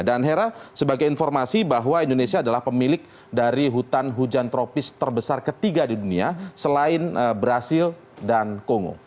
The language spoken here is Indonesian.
dan hera sebagai informasi bahwa indonesia adalah pemilik dari hutan hujan tropis terbesar ketiga di dunia selain brazil dan kongo